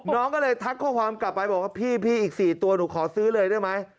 น้องก็เลยทักข้อความกลับไปบอกว่าพี่อีก๔ตัวหนูขอซื้อเลยได้ไหม